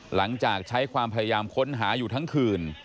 หลังจากใช้ความพยายามค้นหาอยู่ทั้งคืน